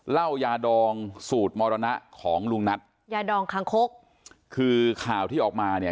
เหล้ายาดองสูตรมรณะของลุงนัทยาดองคางคกคือข่าวที่ออกมาเนี่ย